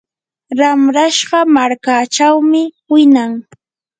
ramrashqa markaachawmi winan.